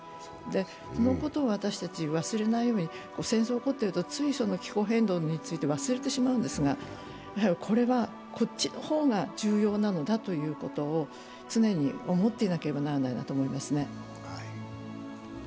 このことを私たちは忘れないように戦争が起こっていると、つい気候変動について忘れてしまうんですがこれはこっちの方が重要なのだということを常に思っていなければならないなと思いますね。